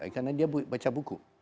karena dia baca buku